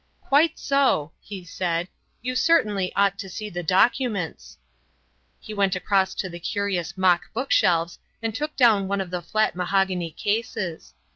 "Quite so," he said. "You certainly ought to see the documents." He went across to the curious mock book shelves and took down one of the flat mahogany cases.